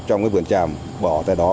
trong cái vườn tràm bỏ tay đó